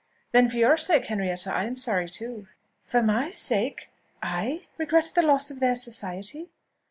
Then for your sake, Henrietta, I am sorry too." "For my sake? I regret the loss of their society!